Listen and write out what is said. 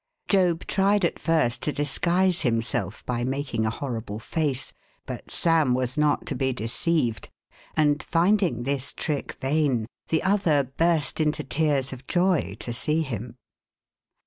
Job tried at first to disguise himself by making a horrible face, but Sam was not to be deceived, and finding this trick vain, the other burst into tears of joy to see him.